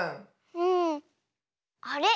うん。あれ？